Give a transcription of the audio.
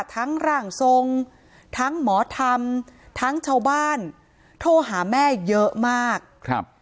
ร่างทรงทั้งหมอธรรมทั้งชาวบ้านโทรหาแม่เยอะมากครับ